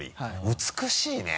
美しいね。